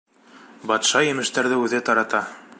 Батша емештәрҙе үҙе тарата.